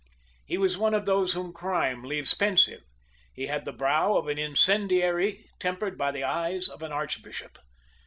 He was one of those whom crime leaves pensive; he had the brow of an incendiary tempered by the eyes of an archbishop.